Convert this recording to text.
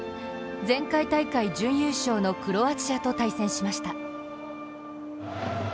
前回大会準優勝のクロアチアと対戦しました。